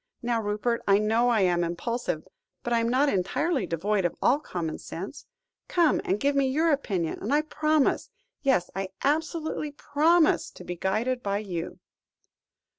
Now, Rupert, I know I am impulsive, but I am not entirely devoid of all common sense. Come and give me your opinion, and I promise yes, I absolutely promise to be guided by you."